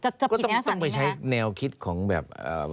ก็ต้องไปใช้แนวคิดของแบบ